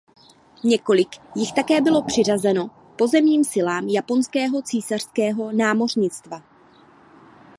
Několik jich také bylo přiřazeno k pozemním silám Japonského císařského námořnictva.